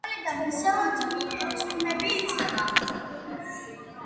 ხვალიდან ისევ წვიმები იწყება